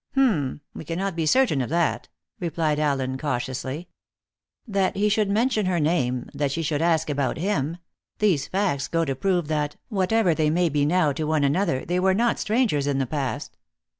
"H'm! We cannot be certain of that," replied Allen cautiously. "That he should mention her name, that she should ask about him these facts go to prove that, whatever they may be now to one another, they were not strangers in the past."